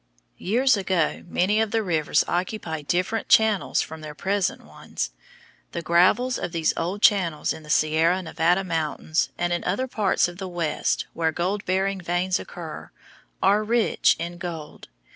Years ago many of the rivers occupied different channels from their present ones. The gravels of these old channels in the Sierra Nevada mountains, and in other parts of the West where gold bearing veins occur, are rich in gold.